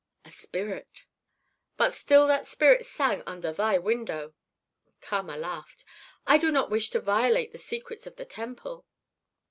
"A spirit." "But still that spirit sang under thy window." Kama laughed. "I do not wish to violate the secrets of the temple."